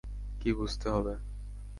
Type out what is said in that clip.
কি বুঝতে হবে?